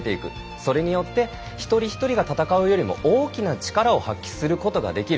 それによって一人一人が戦うよりも大きな力を発揮することができる。